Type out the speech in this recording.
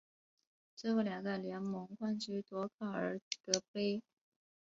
最后两个联盟冠军夺考尔德杯。